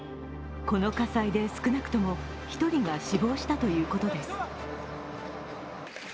この火災で少なくとも１人が死亡したということです。